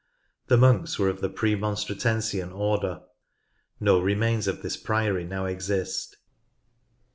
The monks were of the Premonstratensian Order. No remains of this priory now exist.